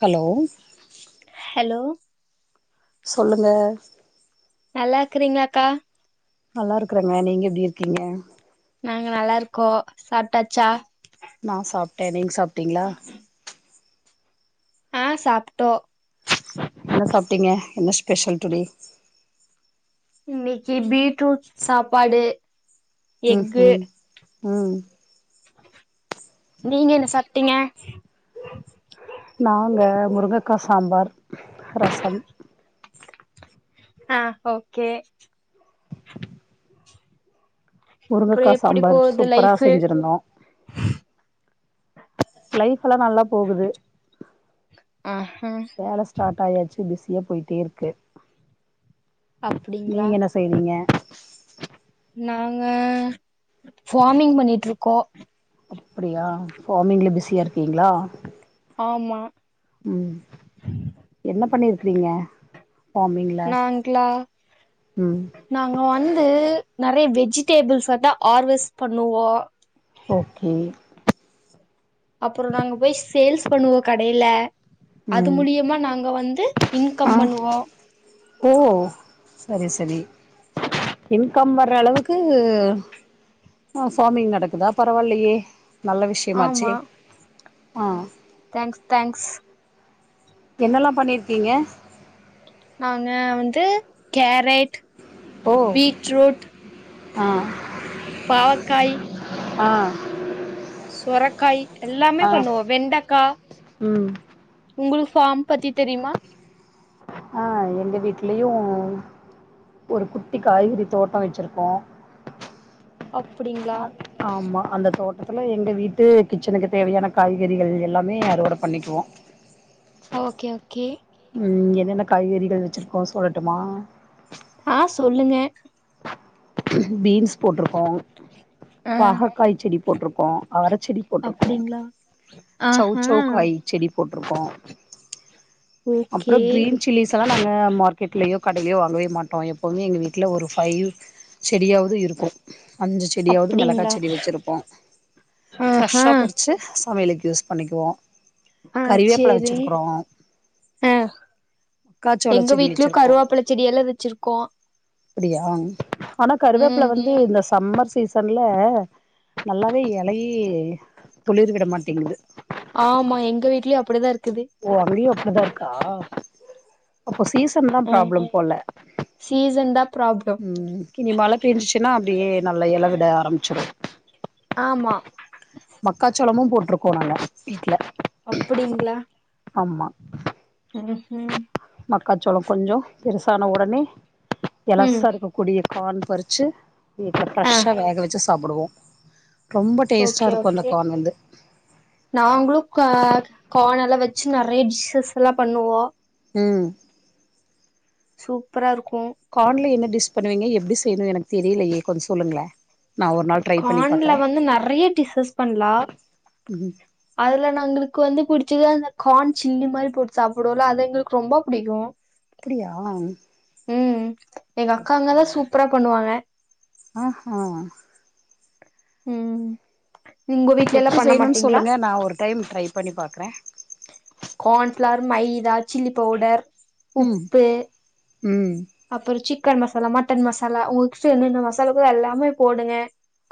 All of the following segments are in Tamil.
ஹலோ ஹலோ சொல்லுங்க நல்லா இருக்கறீங்களாக்கா நல்லா இருக்கறங்க நீங்க எப்டி இருக்கீங்க நாங்க நல்லாருக்கோம் சாப்டாச்சா நான் சாப்டேன் நீங்க சாப் ட்டீங்களா ஆஹ் சாப்டோ என்ன சாப்பிட்டீங்க என்ன ஸ்பெஷல் டுடே இன்னைக்கு பீட்ரூட் சாப்பாடு உம் எக்கு ஹும் உம் நீங்க என்ன சாப்ட்டீங்க நாங்க முருங்கக்கா சாம்பார் ரசம் ஆஹ் ஓகே அப்புறோ முருங்கக்கா எப்டி சாம்பார் போகுது சூப்பரா லைஃபு செஞ்சுருந்தோம் லைப் அல்லாம் நல்லா போகுது ஆஹா வேல ஸ்டார்ட் ஆயாச்சு பி [unintelligible] போயிட்டே இருக்கு அப்டிங்களா நீங்க என்ன செய்றீங்க நாங்க ஃபார்மிங் பண்ணிட்டுருக்கோம் அப்டியா ஃபார்மிங்ல பிஸியா இருக்கீங்களா ஆமா உம் என்ன பண்ணிருக்கறீங்க ஃபாமிங்ல நாங்களா உம் து நெறைய வெஜிடேபிள்ஸ தா ஹார்வஸ்ட் பண்ணுவோம் ஓகே அப்பறம் நாங்க போய் சேல்ஸ் பண்ணுவோம் கடைல அது ம் மூலியமா நாங்க வந்து இன்கம் ஆ பண்ணுவோம் ஓ சரி சரி இன்கம் வர அளவுக்கு ஆ ஃபார்மிங் நடக்குதா பரவாயில்லையே நல்ல விஷயமாச்சே ஆமா ஆஹ் தேங்க்ஸ் தேங்க்ஸ் என்னெல்லாம் பண்ணியிருக்கீங்க து கேரட் பீட்ரூட் ஆஹ் ஆஹ சுரைக்காய் எல்லாமே பண்ணுவோ வெண்டக்கா உம் உங்களுக்கு ஃபார்ம் பத்தி தெரியுமா ஆஹ் எங்க வீட்டு்லயும் ஒரு குட்டி காய்கறி தோட்டம் வச்சிருக்கோ அப்படிங்களா ஆமா அந்த தோட்டத்துல எங்க வீட்டு கிச்சனுக்கு தேவையான காய்கறிகள் எல்லாமே அறுவட பண்ணிக்குவோ ஓகே ஓகே ம்ம் என்னென்ன காய்கறிகள் வச்சுருக்கோ சொல்லட்டுமா ஆஹ் சொல்லுங்க பீன்ஸ் போட்டுருக் கோம் ஆ பாகக்காய் செடி போட்டுருப்கோ அவர செடி போட்டிருக்கோ அப்டிங்களா சௌ ஆஹா சௌக்காய் செடி போட்டிருக்கோ அப்றோ ஓகே கிரீன் சில்லிஸ் அதல்லாம் நாங்கள் மார்க்கெட்ளையோ கடையிலையோ வாங்கவே மாட்டோம் எப்போவுமே எங்கள் வீட்ல ஒரு ஃபைவ் செடியாவது இருக்கும் அஞ்சு செடியாவது மிளகாய் அப்டிங்களா செடி வச்சுருப்போ ஆஹா ஃப்ரெஷ்ஷா பறிச்சு சமையலுக்கு யூஸ் பண்ணிக்குவோ ஆஹ் கறிவேப்பில சேரி வச்சிருக்குறோ ஆஹ் மக்காச்சோள எங்க செடி வீட்லயும் வச்சிருக்கோ கருவேப்புல செடி எல்லாம் வச்சிருக்கோ அப்பிடியா ஆனா கருவேப்பில ம் வந்து இந்த சம்மர் சீசன்ல நல்லாவே எலையி ஆமா எங்க வீட்லயு அப்டிதான் இருக் ஓ அதுலயும் அப்டித்தான் இருக்கா அப்ப சீசன் தான் ஆ ப்ராப்ளம் போல சீசன் தா ப்ராப்ளம் உம் இனி மழ பேய்ஞ்சுச்சுன்னா அப்பிடியே நல்லா இழவிட ஆரம்பிச்சிடு ஆமா மக்காச்சோளமு போட் ருக்கோ நாங்க வீட்ல அப்டிங்களா ஆம்மா ம் ஹூ மக்காசோள கொஞ்சோ பெருசான உடனே ம் எளசா இருக்க கூடிய கான் பறிச்சு இப்ப ஆ ஃபிரெஷ்ஷா வேக வெச்சு சாப்புடுவோ ரொம்ப டேஸ்ட்டா ஓகே இருக்கு அந்த ஓகே கார்ன் வந்து நாங்களு கா கான் எல் லா வெச்சு நெறைய டிஷ்ஷஸ்லா பண்ணுவோ ம் சூப்பரா இருக் கான்ல என்னது டிஷ் பண்ணுவிங்க எப்டி செய்ணு எனக்கு தெரிலயே கொஞ்ச சொல்லுங்ளே கான்ல வந்து நெறைய டிஷ்ஷஸ் பண்லா ம் அதுல நா உங்களுக்கு வந்து புடிச் இதுல அந்த கான் சில்லி மாரி போட்டு சாப்புடுவோல அது எங்களுக்கு ரொம்ப புடிக்கு அப்பிடியா ம் எங்க அக்காங்கலாம் சூப்பரா பண்ணுவாக ஆ ஹும் ம் உங்க வீட்ல எல்லா எப்டி பண்ண செய்யணுனு மாட்டீங்களா சொல்லுங்க நா ஒரு டைம் ட்ரை பண்ணி பாக்றேன் கான்ஃப்ளார் மைதா சில்லி பவுடர் ம் உப்பு ம் அப்பற சில் சிக்கன் மசாலா மட்டன் மசாலா உங்ககிட்ட என்னென்ன மசாலாருக்கோ எல்லாமே போடுங்க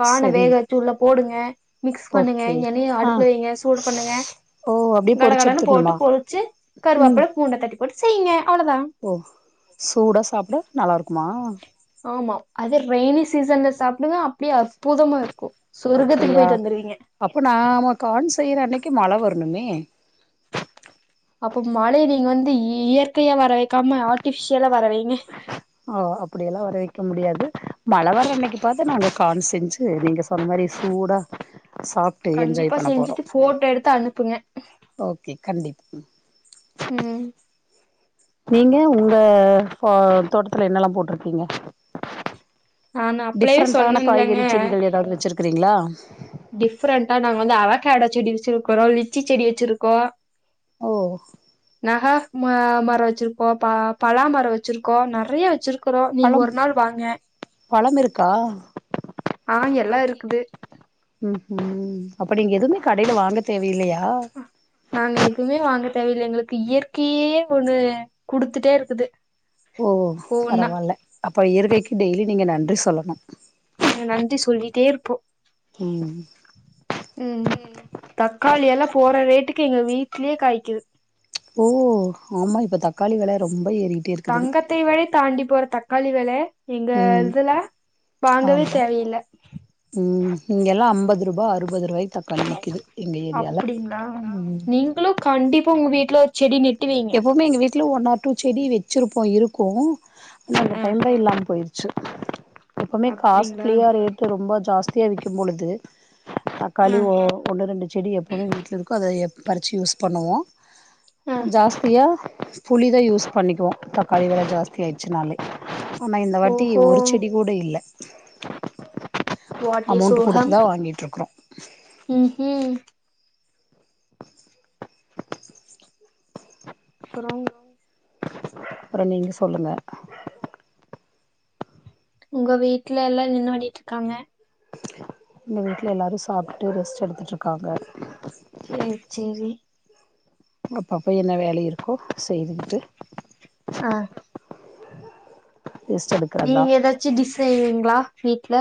பான சரி வேக வச்சு உள்ளே போடுங்க ஆ மிக்ஸ் பண்ணுங்க ஓகே எண்ணெய ஆ அடுப்புல வையுங்க சூடு பண்ணுங்க ஓ அப்டியே கட பொறிச்சு கடன்னு போட்டு எடுத்துடணுமா பொருச்சு ம் கருவாப்புழ பூண்ட தட்டி போட்டு செய்ங்க அவ்ளோதா ஓ சூடா சாப்ட நல்லாருக்குமா ஆமா அது ரெய்னி சீசன்ல சாப்டுங்க அப்டியே அற்புதமாயிருக்கும் அப்படியா அப்ப நாம கான் செய்ற அன்னிக்கு மழ வர ணுமே அப்ப மழைய நீங்க வந்து இ இயற்கயா வர வைக்காம ஆர்ட்டிஃபிஷியலா வர வைங்க ஆ அப்படியல்லா வரவக்க முடியாது மழ வர அன்னக்கி பாத்து நாங்க காண் செஞ்சு நீங்க சொன்ன மாரி சூடா சாப்ட்டு என்ஜாய் கண்டிபா பண்ண போறோ செஞ்சுட்டு போட்டோடெடுத்து அனுப்புங்க ஓகே கண்டிப்பா உம் நீங்க உங்க ஹா தோட்டத்துல என்னெல்லா போட்டிருக்கீங்க நான் அப்பளவே டிஃப்ரெண்டான சொன்னேன்லங்க காய்கறி செடிகள் ஏதாவது வச்சி இருக்கறீங்களா டிஃப்ரெண்டா நாங்க வந்து அவக்காடோ செடி வச்சிருக்கறோ லிச்சி செடி வச்சிருக்கோ ஓ நஹா ம மர வச்சிருக்கோ பலாமர வச்சிருக்கோ நெறைய வச் ருக்கிறோ நீங்க பழம் ஒரு நாள் வாங்க பழம் இருக்கா ஆஹ் எல்லா இருக்குது ம் ம் அப்ப நீங்க எதுவுமே கடையில வாங்க தேவையில் ஆஹ் நாங்க எதுவுமே வாங்க எங்களுக்கு இயற்கையே ஒண்ணு குடுத்துட்டே இருக்குது ஓ ஒவ்வொன்னா பரவால்ல அப்ப இயற்கைக்கு டெய்லி நீங்க நன் சொ சொலனு நன்றி சொல்லிட்டே இருப்போ ம் உம் தக்காளி [inaudible] போற ரேட்டுக்கு எங்க வீட்லயே காய்க்குது ஓ ஆமா இப்ப தக்காளி வெல ரொம் தங்கத்தை வழி தாண்டி போற தக் காலி வேள எங்க ம் இதுல வாங்கவே ஆமா தேவையில்ல ம் இங்கெல்லா அம்பது ரூபா அறுபது ரூபாய்க்கு தக்காளி விக்குது எங்க ஏரியால அப்டிங்களா நீங்களு கண்டிப்பா உங்க வீட்ல செடி வைங்க எப்பவுமே எங்க வீட்டுல ஒன் ஆர் செடி வெ வச்சிருப்போ இருக்கு அந்த ஆ டைம்ல இல்லாம போயிருச் ச எப்பவுமே அப்டிங்களா காஸ்ட்லியா ரேட்டு ரொம் ஜாஸ்தியா விக்கிம்பொழுது தக்காளி ஆ ஒ ஒன்று ரெண்டு செடி எப்பவுமே வீடல இருக்கு அதை பறிச்சு யூஸ் பண்ணுவோ ஆ [unintelligible] புளிதா யூஸ் பண்ணிக்குவோ தக்காளி வெல ஜாஸ்தி ஆயிடுச்சுனாலே ஆனா இந்த வாட்டி ஓஹோ ஒரு செடி கூட இல் வாட் [inaudible] ஏ அமௌண்ட் சோகம் கொடுத்துதா வாங்கிட்டுருக் ம் ஹ் [inaudible] அப்பறோ அப்பற நீங்க சொல்லுங்க உங்க வீட்ல எல்லா என்ன பண்ணிட்ருக்காங்க எங்க வீட்ல எல்லாரு சாப்டுட்டு ரெஸ்ட் எடுத்துட்ருக்காங்க சேர் சேரி அப்பப்ப என்ன வேலை இருக்கோ செய்துக்கிட்டு ஆ ரெஸ்ட் எடுக்கிறது தா நீங்க எதாச்சு டிஸ் செய்வீங்ளா வீட்ல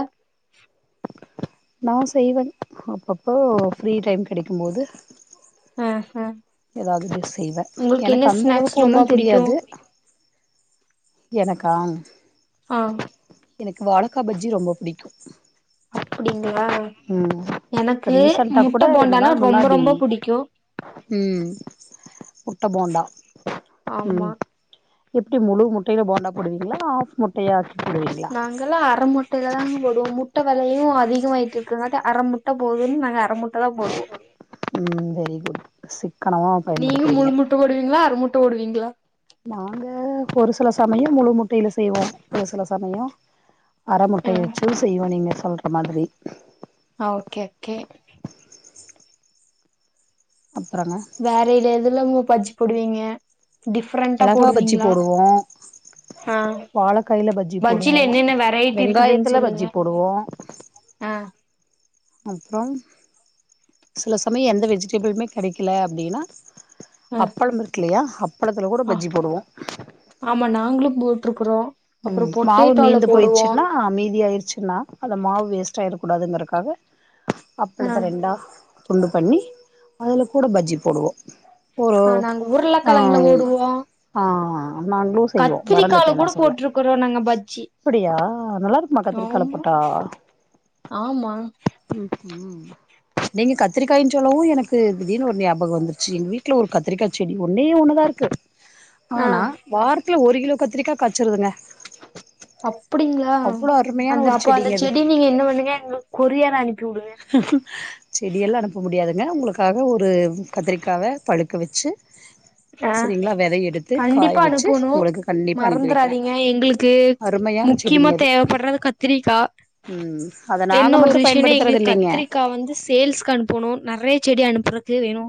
நா செய்வன் அப்பப்போ ஃப்ரீ டைம் கிடைக்கும்போது அ ஹ எதாவ்து டிஸ் செய்வ எனக் அந்த ஸ்நாக்ஸ் அளவுக்கு ரொம்ப ஒன்னுந் புடிக்கு தெரியாது எனக்கா ஆஹ் எனக்கு வாழக்கா பஜ்ஜி ரொம்போ புடிக்கு அப்டிங் கிளா இப்ப எனக்கு ரீசன்டா முட்ட கூட ரெண்டு போண்டானா நாள் ரொம்ப முன்னாடி ரொம்ப புடிக்கு ம் முட்ட போண்டா ஆமா ம் எப்டி முழு முட்டேல போண்டா போடுவீங்ளா ஆஃப் முட்டயா நாங்கல்லா அரமுட்டேலதாங்க போடுவோ முட் முட்ட வெலயு அதிகமாய்ட்டு இருக்கற்னால அரமுட்ட போதுன் நாங்க அரமுட்ட தா போடுவோ உம் வெரி குட் சிக்கனமா பயன்படுத்துறீங்க கிளா நாங்க ஒரு சில சமயோ முழு முட்டேல செய்வோ ஒரு சில சமயோ அர முட்டய ம் வச்சு செய்வோ நீங்க சொல்ற மாதிரி ஓகே ஓகே அப்புறங்க வேற இது எதுலமு பஜ்ஜி போடுவீங்க டிஃப்ரெண்டா மெளகா பஜ்ஜி போடுவீங்களா போடுவோ ஆ வாழக்காய்ல பஜ்ஜி பஜ்ஜில போடுவோ என்னென்ன வெரைட்டி இருக்குதுன்னு வெங்காயத்துல சொல்லுங்க பஜ்ஜி போடுவோ ஆ அப்றம் சில சமய் எந்த வெஜிடெபிள்மே கெடைக்கல அப்டினா ஆ அப்பளம் இருக்குலையா அப்பளத்துல கூட ஆ பஜ்ஜி போடுவோ ஆமா நாங்களு போட்ருக்குறோ உம் அப்புறோ மாவு பொட்டேட்டோல மீந்து போடுவோ போய்ச்சுன்னா மீதியாய்ர்சுன்னா அந்த மாவு வேஸ்ட்டா ஆயிருக் கூடாதுங்கறக்காக ஆ அப்பளத்த ரெண்டா துண்டு பண்ணி அதுல கூட பஜ்ஜி போடுவோ போரூ ஆ நாங்க உருளக்கெழங்குல அம் போடுவோ ஆ நாங்ளு செய்வோ மறந்துட்டே நா சொல்ல க்குறோ நாங்க பஜ்ஜி அப்படியா நல்லா இருக்குமா கத்திரிக்கால ஆமா ஆமா ம்ம் உம் நீங்க கத்திரிக்காய்ன் சொல்லவு எனக்கு திடீன்னு ஒரு ஞாபகோ வந்துருச்சு எங்க வீட்டுல ஒரு கத்திரிக்காய் செடி ஒன்னே ஒன்னுதா இருக்கு ஆ ஆனா வார்த் துல ஒரு கிலோ கத்திரிக்கா காய்சிருதுங்க அப்டிங்களா அந்த ஒரு அப்போ அந்த செடிங்க அது செடி நீங்க என்ன பண்ணுங்க எங்களுக்கு கொரியர் அனிப் செடியெல்லா அனுப்ப முடியாது ங்க உங்களுக்காக ஒரு கத்திரிக்காவ பழுக்க வச்சு அ சரிங்களா வெதைய எடுத்து காய கண்டிப்பா வச்சு அனுப்பனு உங்களுக்கு கண்டிப்பா அனுப்பி வைக்கிறே மறந்துறாதீங்க எங்களுக்கு அருமையான முக்கியமா செடிங்க அது தேவைப்படுறது கத்திரிக்கா ம் அத நாங்க என்ன ஒரு மட்டு விஷயனே பயன்படுத்துறது எங்களுக்கு இல்லைங்க கத்திரிக்கா வந்து சேல்ஸ்க்கு அனுப்பனு நெறைய செடி அனுப்புறக் து வேணு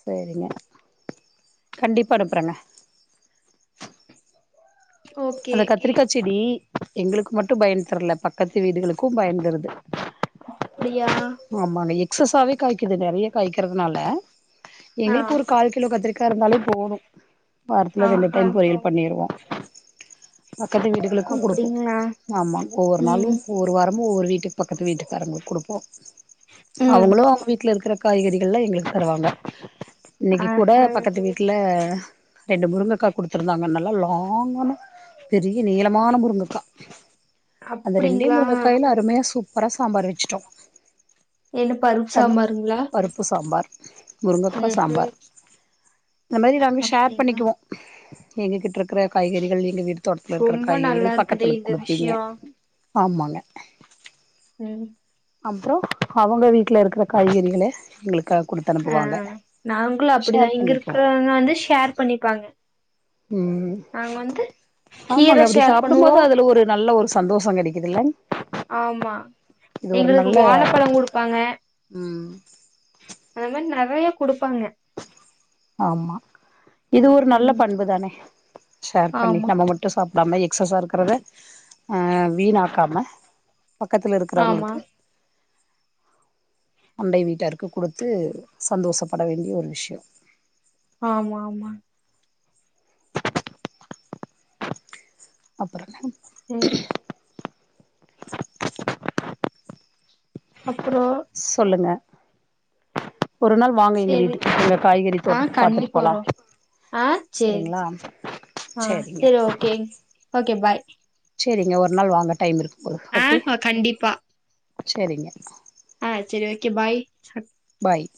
சரிங்க கண்டிப்பா அனுப்புறேங்க ஓகே அந்த கத்திரிக்கா செடி எங்களுக்கு மட்டு பயன் தரல பக்கத்து வீடுகளுக்கு பயன் தருது ஆ அப்டியா எக்சகசாவே காய்க்கிது நெறைய காய்க்கிறதுனால ஆ எங்களுக்கு ஒரு கால் கிலோ கத்திரிக்கா இருந்தாலே போதும் வாரத்துல ரெண்டு ஆஹா டைம் பொரியல் பண்ணிருவோ பக்கத்து வீடுகளுக்கு குடுக்கு அப்டிங்களா ஆமாம் ஒவ்வொரு நாளு ம் ஒவ்வொரு வாரம் [unintelligible] ஒவ்வொரு வீட்டுக்கு பக்கத்து வீட்டுக்காரங்களுக்கு குடுப்போ ம் அவங்களு அவங்க வீட்டுல இருக்கிறப் காய்கறிகள்லா எங்களுக் தருவாங்க இன்னைக்கு கூட ஆஹா பக்கத்து வீட்டுல ரெண்டு முருங்கைக்கா குடுத்துருந்தாங்க நல்லா லாங்கான பெரிய நீளமான முருங்கைக்கா அந்த ரெண்டே அப்டிங்களா முருங்கைக்காய்ல அருமையா சூப் பரா சாம்பார் வச்சுட்டோ என்ன பருப்பு ஆனா சாம்பாருங்கால பருப்பு சாம்பார் முருங்கக்கா சாம்பார் இந்த மாரி நாங்க ஷேர் அப்டிங்களா பண்ணிக்குவோ எங்க கிட்றக் க்கற காய்கறிகள் எங்க வீட்டு தோட்டத்துல இருக்கற ரொம்ப நல்லா காய்கறிகள் இருக்குது பக்கத்துல இந்த குடுப்பீங்க விஷயோ ஆமாங்க உம் அப்றோம் அவுங்க வீட்ல இருக்ற காய்கறிகளே எங்ளுக் அ நாங்குளு அப்டிதா ஷேர் இங்க பண்ணிக்குவோ இருக்றவங்க வந்து ஷேர் பண்ணிப்பாங்க ம் நாங்க வந்து கீர ஷேர் பண்ணுவோ சந்தோஷங் கெடைக்குதில்லங் ஆமா எங்களுக்கு வாழப்பழங் குடுப்பாங்க ம் அந்த மாரி நறைய குடுப்பாங்க ஆமா இது ஒரு நல்ல ம் பண்பு தானே ஷேர் பண்ணி ஆமா நம்ப மட்டு சாப் நம்ம எக்ஸஸா இருக்கறத அஹ் வீணாக்காம பக்கத்ல ஆமா இருக்கறவங்களுக்கு அண்டை வீட்டாருக்கு குடுத்து சந்தோஷப்பட வேண்டிய ஒரு விஷ்யோ ஆமா ஆமாங் அப்பறங்க ம் அப்புறோ சொல்லுங்க ஒரு நாள் வாங்க எங்க சேரி வீட்டுக்கு எங்க காய்கறி ஆ தோட்டத்த பாத்துட் கண்டிப்பா போலா வரோ ஆ சேரி சரிங்களா ஆ சேரிங்க சேரி ஓகே ஓகே பாய் செரிங்க ஒரு நாள் வாங்க டைம் இருக் ஆங்மா கண்டிப்பா செரிங்க செரி ஓகே பாய் பாய்